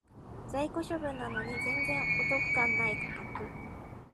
在庫処分なのに全然お得感ない価格